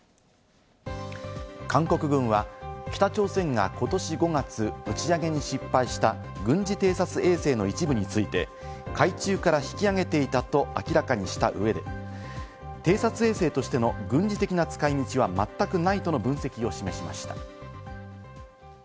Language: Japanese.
韓国軍は北朝鮮がことし５月、打ち上げに失敗した軍事偵察衛星の一部について、海中から引き揚げていたと明らかにした上で偵察衛星としての軍事的な使い道はまったくないとの分析を示しました。